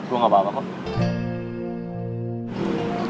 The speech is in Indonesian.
gue gak apa apa kok